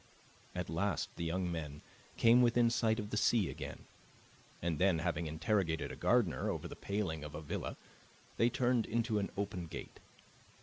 At last the young men came within sight of the sea again, and then, having interrogated a gardener over the paling of a villa, they turned into an open gate.